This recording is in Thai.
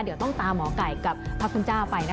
เดี๋ยวต้องตามหมอไก่กับพระคุณเจ้าไปนะคะ